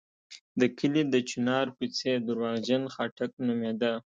د کلي د چنار کوڅې درواغجن خاټک نومېده.